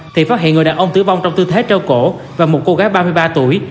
thì phát hiện người đàn ông tử vong trong tư thế trao cổ và một cô gái ba mươi ba tuổi